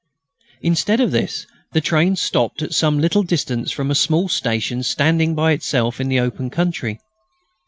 Instead of this the train stopped at some little distance from a small station standing by itself in the open country.